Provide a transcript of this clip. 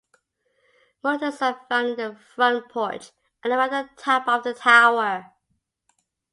Mottoes are found in the front porch and around the top of the tower.